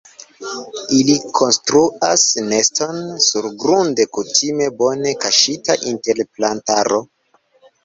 Ili konstruas neston surgrunde kutime bone kaŝita inter plantaro.